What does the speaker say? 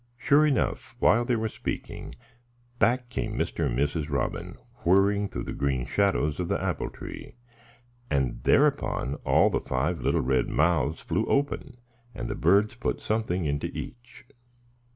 Sure enough, while they were speaking, back came Mr. and Mrs. Robin, whirring through the green shadows of the apple tree; and thereupon all the five little red mouths flew open, and the birds put something into each.